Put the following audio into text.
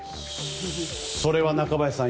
それは中林さん